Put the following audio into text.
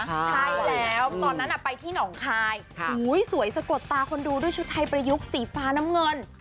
ใช่แล้วตอนนั้นไปที่หนองคายสวยสะกดตาคนดูด้วยชุดไทยประยุกต์สีฟ้าน้ำเงิน